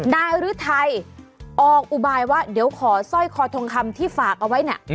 นายฤทัยออกอุบายว่าเดี๋ยวขอสร้อยคอทองคำที่ฝากเอาไว้เนี่ย